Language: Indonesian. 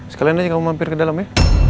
sekalian aja kamu mampir ke dalam ya